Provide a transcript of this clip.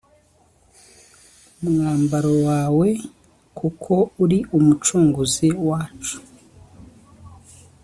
umwambaro wawe kuko uri umucunguzi wacu